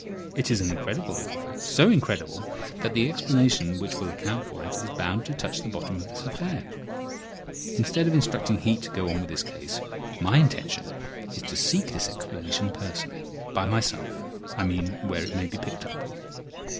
It is an incredible little fact, so incredible that the explanation which will account for it is bound to touch the bottom of this affair. Instead of instructing Heat to go on with this case, my intention is to seek this explanation personally—by myself, I mean—where it may be picked up.